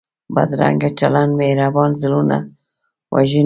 بدرنګه چلند مهربان زړونه وژني